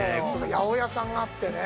八百屋さんがあってね。